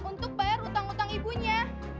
untuk bayar utang utang ibunya